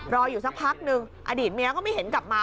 รออยู่สักพักนึงอดีตเมียก็ไม่เห็นกลับมา